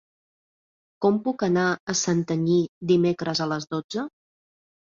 Com puc anar a Santanyí dimecres a les dotze?